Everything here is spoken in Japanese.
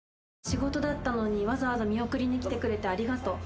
仕事だったのにわざわざ見送りに来てくれてありがとう。